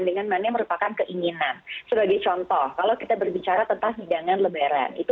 demi meminimalisirkan uang thr bisa disesuaikan dengan budget